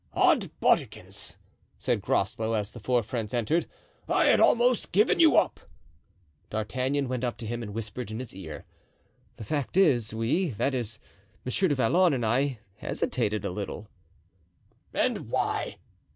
"Od's bodikins," said Groslow, as the four friends entered, "I had almost given you up." D'Artagnan went up to him and whispered in his ear: "The fact is, we, that is, Monsieur du Vallon and I, hesitated a little." "And why?"